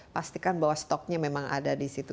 pastikan bahwa stoknya memang ada di situ